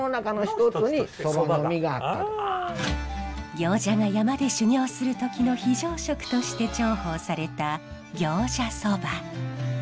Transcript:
行者が山で修行する時の非常食として重宝された行者そば。